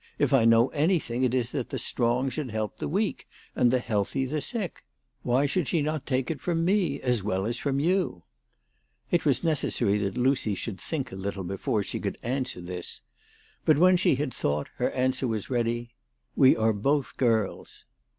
If I know anything, it is that the strong should help the weak, and the healthy the sick. Why should she not take it from me as well as from you ?" It was necessary that Lucy should think a little before she could answer this ; but, when she had thought, her answer was ready. " We are both girls."